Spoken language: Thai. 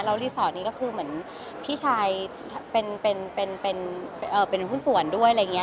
แล้วรีสอร์ทนี้ก็คือเหมือนพี่ชายเป็นหุ้นส่วนด้วยอะไรอย่างนี้